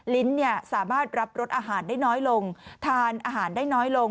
ลิ้นสามารถรับรสอาหารได้น้อยลงทานอาหารได้น้อยลง